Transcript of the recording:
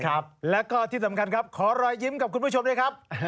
ครับแล้วก็ที่สำคัญครับขอรอยยิ้มกับคุณผู้ชมด้วยครับ